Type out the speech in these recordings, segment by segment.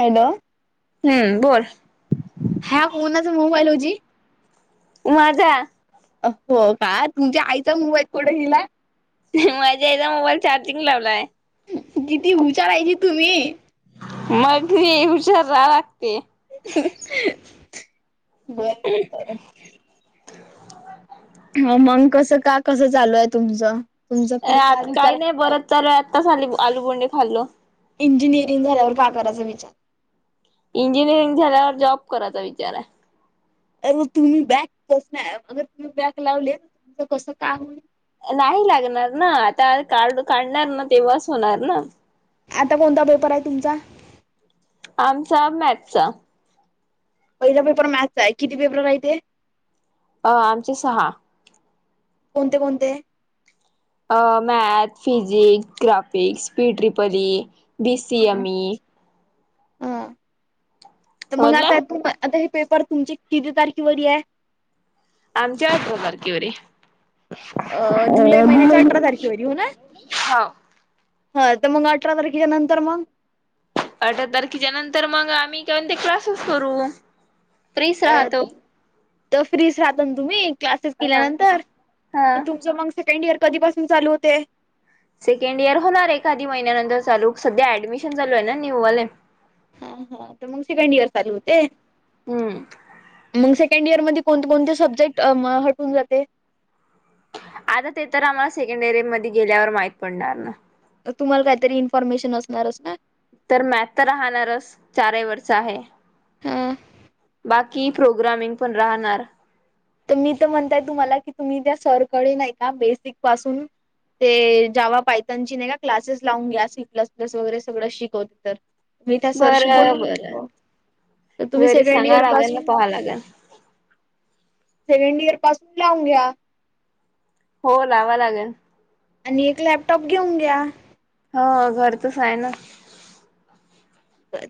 Hello, हम्म बोल हा कोणचा मोबाईल आहो जी माझ हो का तुमच्या आईचा मूव आहेत कोठ हिला माझ्या आईचा मोबाईल चार्जिंग लावलाय. किती विचारायची तु हे हा फी हुशार रा लागते. बर. हे [unintelligible] ह मग कसं का कसं चालू आहे तुमचं तुमचा पुढचा विचार चल आत्ताच आली आलूबोंडे खाल्ल. इंजिनिअरिंग झाल्यावर काय करायचा विचार इंजिनिअरिंग झाल्यावर जॉब करायचा विचार आहे. अरे तुम्ही बॅक कस नाही अगर तुम्ही बॅक लावले तुमचं कसं काय होई. नाही लागणार ना आता काढ काढणार ना तेव्हाच होणार ना. आता कोणता पेपर आहे तुमचा? आमचा मॅथचा पहिला पेपर मॅच आहे किती पेपर राहिय ते. अ आमचे सहा कोणते कोणते? अ math, physics, graphics, P triple E, B C हा एम इई हा. तर मग समजलं आता तु आता हे पेपर तुमचे किती तारखेवरी आहे. आमच्या आठरा तारखेवरी. अं जुलै महिन्याच्या अठरा तारखेवर हो ना हो हा तर मग अठरा तारखेच्या नंतर मग अठरा तारखेच्या नंतर मग आम्ही का ते क्लासेस करू फ्रीच अ राहतो. तर फ्री राहत तुम्ही क्लासेस हा केल्यानंतर हा. तुमचं मग सेकंड इयर कधीपासून चालू होतय. सेकंड इयर होणार एखाधी महिन्यानंतर चालू सध्या ऍडमिशन चालू आहे ना न्यूवाले. हा हा तर मग सेकंड इयर चालू होते. हम्म. मग सेकंड इयर मध्ये कोणते कोणते सब्जेक्ट हटून जाते. आता ते तर आम्हाला सेकंड एरी मध्ये गेल्यावर माहित पडणार ना, मग तुम्हाला काहीतरी इनफॉर्मेशन असणारच ना, तर मॅथ तर राहणारच चारीवरच आहे. हां. बाकी प्रोग्रामिंग पण राहणार. तर मी तर म्हणताय तुम्हाला की तुम्ही त्या सरकडे नाही का बेसिक पासून ते जावा पायतांची नाही का क्लासेस लावून घ्या, सी प्लस प्लस वगैरे सगळं शिकवते तर मी त्या सरशी बरं बोलून बरं घेतो तर तुम्ही सेकंड इयर पासून- आला काय? सेकंड इयर पासून लावून घ्या. हो लावा लागेल. आणि एक लॅपटॉप घेऊन दया. हो घरचच आहे ना.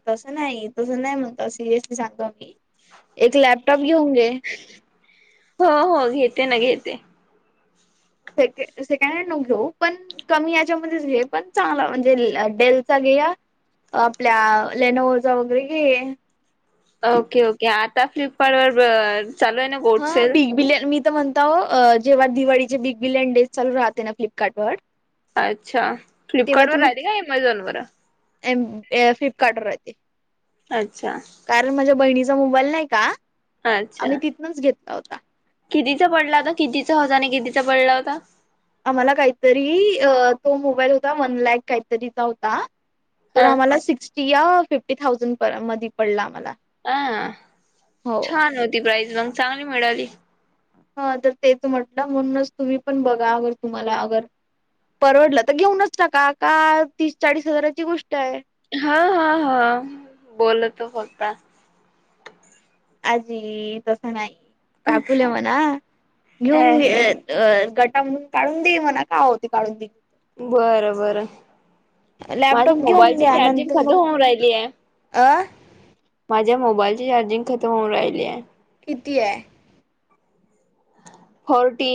तसं नाही तसं नाही म्हणता सिरियसली सांगातो मी एक लॅपटॉप घेऊन दे. हो हो घेते ना घेते. सेक सेकंड हँड न घेऊ पण- कमी याच्यामध्ये घे पण चांगला म्हणजे डेलचा घे या- आपल्या लेनओजा वगैरे घे. ओके ओके आता फ्लिपकार्ट वर चालू आहे ना गोडसेल? बित मी- म्हणतो जेव्हा दिवाळीचे बिग बिलियन डेज चालू राहते ना फ्लिपकार्ट वर त- अच्छा फ्लिपकार्ट वर राहिला का अमेझॉन वर? एम एयरफ्लिपकार्ट वर आहे ते. अच्छा. कारण माझ्या बहिणीचा मोबाईल नाही का अच्छा आम्ही तिथनच घेतला होता. कितीचा पडला होता कितीचा होजने कितीचा पडला होता? आम्हाला काहीतरी अ तो मोबाईल होता वन लॅक काहीतरीचा होता. तर हा आम्हाला सिक्स्टी या फिफ्टी थाउजंड मध्ये पडला आम्हाला. अ हो. छान होती प्राईज मग चांगली मिळाली. ह तर तेच म्हटलं म्हणूनच तुम्ही पण बघा अगर तुम्हाला अगर- परवडलं तर घेऊनच टाका का तीस चाळीस हजाराची गोष्ट आहे. हा हा हा बोलतो फक्त- आजी तसं नाही काकूल म्हणा ह घेऊनगे- अ गटा म्हणून काढून दे म्हणा का होते काढून दे? बरं बरं लॅपटॉप माझ्या घेऊन मोबाईलची चार्जिंग खतम होऊन राहिली आहे. अं. माझ्या मोबाईल चार्जिंग खतम होऊन राहिली आहे. किती आहे? फोर्टी.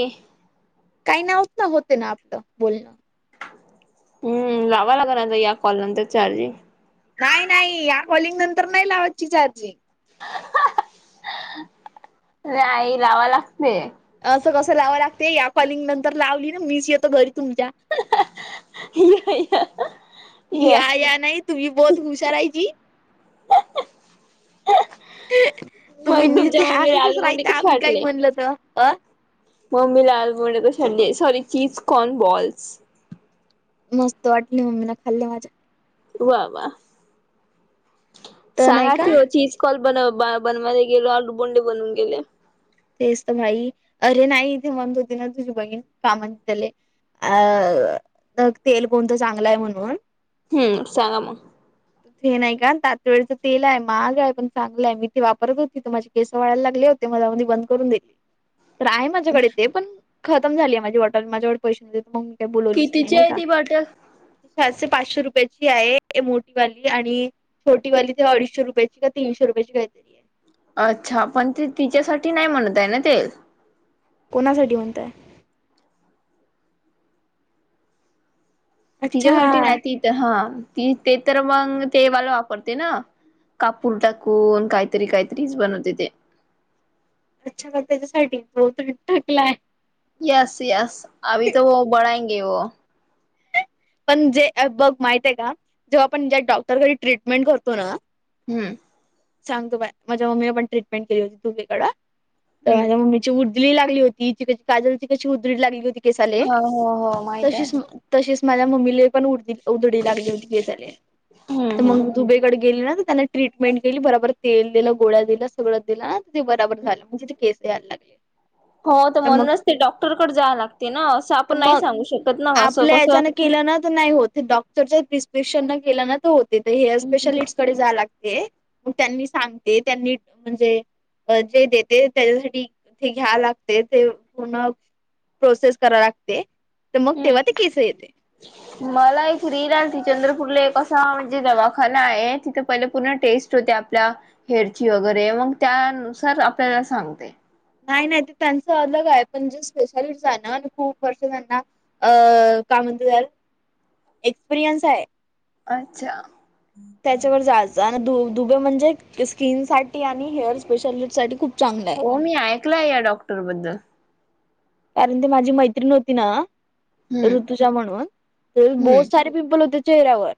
काही नाही होत ना होते ना आपलं बोलणं. हम्म लावां लागल ना आता या कॉल नंतर चार्जिंग. नाही नाही या कॉलिंग नंतर नाही लावाची चार्जिंग. नाही लावा लागते. असं कसं लावा लागते या कॉलिंग नंतर लावली ना मीच येतो घरी तुमच्या- ये ये या या नाही तुम्ही बोत हुशारायजी तुम्ही मग निस्ते तुमच्या मम्मी हसतच राहता आलमोंडीतच आम्ही काही फाटले. म्हणलं तर अ मम्मी ला आलमोड क डी सॉरी चिजकॉन बॉल्स. मस्त वाटली मम्मी ना खाल्ली माझ्या- वा वा तर नाही का सांगायची होचीच- कॉल बन बनवायला गेलो आलडू बोंडे बनून गेले. तेच तर भाई अरे नाही इथे म्हणत होती ना तुझी बहीण कामण त्याले- अग तेल कोणतं चांगलं आहे म्हणून- हम्म सांगा म- हे नाही का तात वळचं तेल आहे महाग आहे पण चांगलंय मी ते वापरत होती त माझी- केस वाळायला लागली होते मला म्हणाली बंद तर आहे माझ्याकडे ते पण खतम झाली माझी बॉटल माझ्याकडे पैसे नाही मग का बोलावलीच नाही कितीची नाही आहे का ती बॉटल? सातशे पाचशे रुपयाची आहे मोठीवाली आणि छोटी वाली ते अडीचशे रुपयाची का तीनशे रुपयाची घाय अच्छा पण ते तिच्यासाठी नाही म्हणत आहे ना ते कोणासाठी म्हणताय अच्छा तिच्यासाठी नाही तीथ हा ती ते तर मग तेवाल वापरते ना कापूर टाकून काहीतरी काहीतरीच बनवते ते अच्छा त्याच्यासाठी बोटल टाकलाय [unintelligible] पण जे बघ माहित आहे का जेव्हा आपण ज्या डॉक्टरकडे ट्रीटमेंट करतो ना हम्म सांगतो बाई माझ्या मम्मीन पण ट्रीटमेंट केली होती तर हम्म. माझ्या मम्मी उडली लागली होती तिक काजल तिकची उदळी लागली होती केसाले हो हो हो माहित आहे. तशीच तशिच माझ्या मम्मीले पण उ उधडी लागली होती केसाले हम्म तर मग हम्म. दुबेकडे गेली ना तर त्यांना ट्रीटमेंट दिली त्यांना बराबर तेल दिलं गोळ्या दिलं सगळं दिलं ना ते बराबर झालं म्हणजे ते केस यायला लागले हो तर म्हणूनच ते डॉक्टरकडे जावं लागते ना असं तर आपण नाही मग सांगू शकत ना असं आपल्या कसं याच्यान केलं ना तर नाही होत डॉक्टर प्रिस्क्रिप्शन न केल ना तर होते हेअर हम्म स्पेशालिस्टकडे जा लागते मग त्यांनी सांगते त्यांनी म्हणजे जे देते त्याच्यासाठी ते घ्या लागते ते पूर्ण प्रोसेस करा लागते तर मग तेव्हा ते केस येते ह मला एक रील आलती चंद्रपूरला एक असा म्हणजे दवाखाना आहे तिथे पहिले पूर्ण टेस्ट होते आपल्या हेरची वगैरे मग त्यानुसार आपल्याला सांगते नाही नाही ते त्यांच अलग आहे पण जे स्पेशालिस्ट आहे ना खूप वर्ष त्यांना अ काय म्हणत त्याला एक्सपिरियन्स आहे अच्छा त्याच्यावर जायचं आणि दु दुबे म्हणजे स्किन साठी आणि हेअर स्पेशालिस्ट साठी खूप चांगली हो मी ऐकलय या डॉक्टरबद्दल कारण ते माझी मैत्रीण होती ना हम्म ऋतुच्या म्हणून ते हम्म पिंपल होत चेहरावर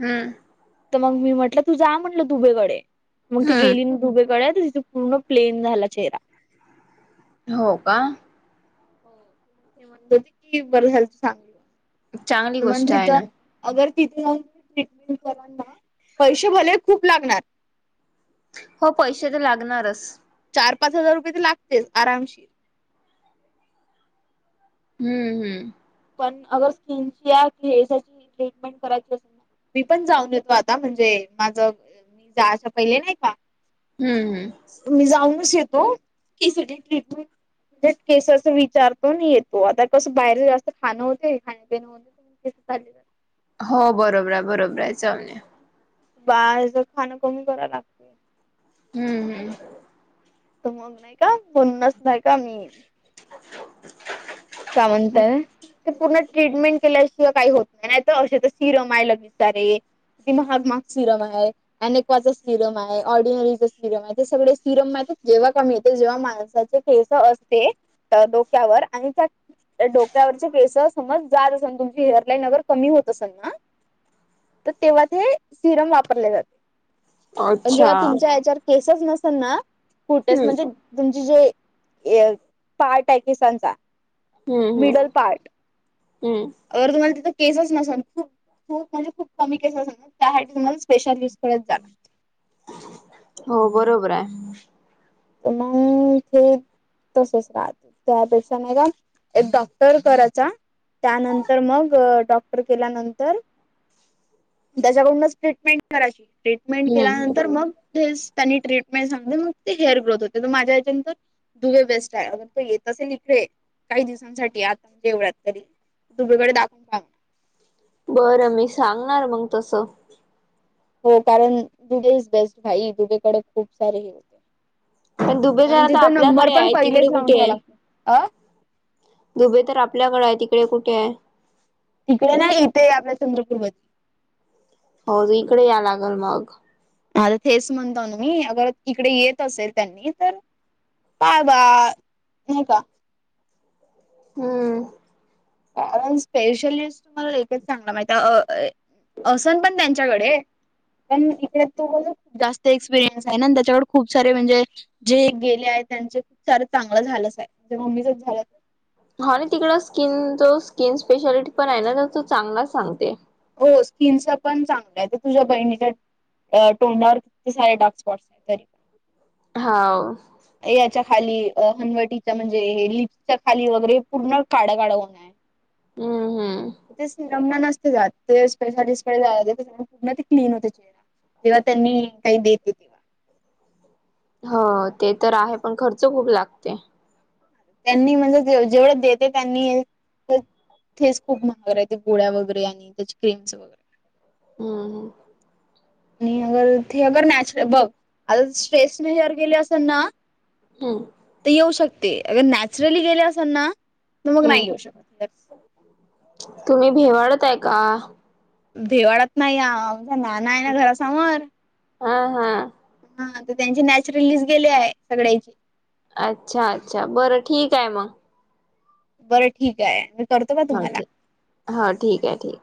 हम्म तर मग मी म्हटलं तू जा म्हटलं दुबेकडे मग ती गेली हम्म ना दुबेकडे तिथ पूर्ण प्लेन झाला चेहरा हो का चांगली गोष्ट आहे ना. [inaudible] अगर तिथ जाऊन ट्रीटमेंट करणा पैसे भले खूप लागणार हो पैसे तर लागणारच चार पाच हजार रुपये तर लागतेच आरामशी हम्म हम्म पण अगर स्किन ची किची ट्रीटमेंट करायची असेल ना मी पण जाऊन येतो आता म्हणजे माझ मी जा अशा पहिले नाही का हम्म हम् मी जाऊनच येतो की सगळी ट्रिटमेंट केसच विचारतो येतो आता कस बाहेर खाणं होते [inaudible] हो चाल हो बरोबर आहे बरोबर आहे जाऊन या बाहेरच खाणं कमी करायला लागते हम्म हम्म त मग नाही का म्हन्नच नाही का मी [unintelligible] काय म्हणत. ते पूर्ण ट्रीटमेंट केल्याशिवाय काही होत नाही नाहीत असे तर सिरमायला विचारे महाग माग सिरम आहे. अनेकवाचा सिरम आहे ऑर्डिनरीचा सिरम आहे ते सगळे सिरम माहि जेव्हा कमी येत जेव्हा माणसाचे केस असते डोक्यावर आणि त्या त्या डोक्यावरचे प्रेस समज जात असेल तुमची हेअरलाईन अगर कमी होत असेल ना तर तेव्हा ते हे सिरम वापरले जाते. अच्छा जेव्हा तुमच्या हम्म याच्यावर केसच नसेल ना कुठेच म्हणजे तुमची जे पार्ट आहे केिसांचा हम्म हम्म मिडल पार्ट हम्म अर तुम्हाला तिथ केसच नसाल खूप खूप म्हणजे खूप कमी केस अस त्यासाठी तुमला स्ेशल युज करत जाला हो बरोबर आहे. म हे तसेच राहत त्यापेक्षा नाही का एक डॉक्टर करायचा. त्यानंतर मग डॉक्टर केल्यानंतर त्याच्याकडूनच ट्रीटमें कराची ट्रीटमेंट हम्म केल्यानंतर मग ते त्यांनी ट्रीटमेंट सांग मग ते हेअर ग्रोथ होते त माझ्या याच्यांतर दुवे बेस्ट आहे अगर तो येत असेल इकडे काही दिवसांसाठी आताे एवढ्यात तरी तुमकडे दाखवून बरं मी सांगणार मग तसं. हो कारण दुबे इज बेस्ट भाई दुबेकडे खूप सारे हे होते. पण दुबेदार आणि आता तिचा नंबर आपल्याकडे पण आहे तिकडे पहिलेच लावून कुठे ठवा आहे लागत अ दुबे तर आपल्याकडें आहे तिकडे कुठे आहे. तिकडे ना येते आपल्या चंद्रपूर मध्ये हो इकडे या लागल मग आता तेच म्हणता ना मी अगर इकडे येत असेल त्यांनी तर पाय बा नका. हम्म कारण स्पेशली तुम्हालालेच चांगला माहि अस पण डे पण इ त जास्त एक्सपिरयन्स आहे ना त्याच्याकडे खूप सारे म्हणजे जे गेले आहे त्यांचे खूप सार चांगलं झालंच आहे म्हणे मम्मीचच झालं. हा आणि तिकड स्किन जो स्किन स्पेशालिटी पण आहे ना तो चांगलाच सांगते. हो स्किनस पण चांगलं आहे ते तुझ्या बहिणीच्या तोंडावर सारे डार्क स्पॉट्स आहेत तरी होा याच्या खाली हनवटीचा म्हणजे लिप्सच्या खाली वगैरे पूर्ण काडागड होणारय. हम्म हम्म तेरममा नसते जात. ते स्पेशालिस्कडे पूर्ण ते क्लीन होते चेहरा जेव्हा त्यांनी काही देत तेव हो ते तर आहे पण खर्च खूप लागते. त्यांनी म्हणजे जेवढं देते त्यांनी तेच खूप महागार आहेय ते गोळ्या वगैरे आणि त्याचे क्रेम्स वगैरे हम् हम् आणि अगर ते अगर नॅचरल बघ आता स्ट्रेसने हेर केली असेल ना हम तर येऊ शकते अगर नॅचरली गेले असेल ना तर मग नाही येेऊ हम्म शकत. तुम्ही भेवाडताय का? भेवाळत नाही या नाना आहे ना घरासमोर हा हा हा तर त्यांची नॅचरली च गेले आहे सगळ्यांची अच्छा अच्छा बरं ठीक आहे मग बरं ठीक आहे करतो का हो तुम्हाला? ठीक हो ठीक आहे ठीक